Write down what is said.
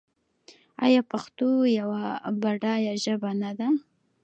آیا پښتو یوه بډایه ژبه نه ده؟